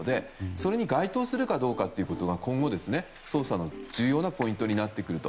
それに該当するかどうかが今後、捜査の重要なポイントになってくると。